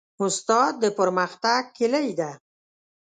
استاد د پرمختګ کلۍ ده.